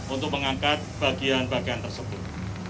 untuk mengangkat bagian bagian tersebut